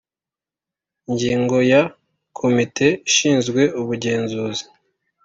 Ingingo ya komite ishinzwe ubugenzuzi